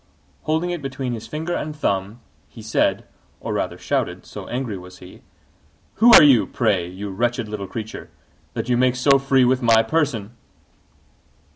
Holding it between his finger and thumb, he said or rather shouted, so angry was he "Who are you, pray, you wretched little creature, that you make so free with my person?"